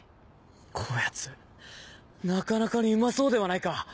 こやつなかなかにうまそうではないか。